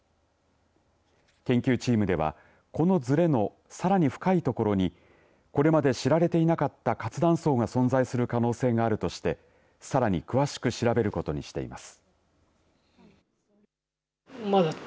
研究チームでは、このずれのさらに深い所にこれまで知られていなかった活断層が存在する可能性があるとしてさらに詳しく調べることにしています。